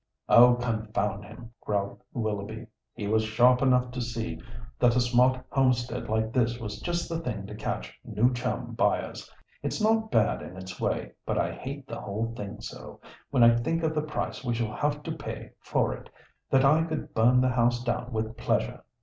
"Oh! confound him!" growled Willoughby; "he was sharp enough to see that a smart homestead like this was just the thing to catch 'new chum' buyers. It's not bad in its way, but I hate the whole thing so, when I think of the price we shall have to pay for it, that I could burn the house down with pleasure."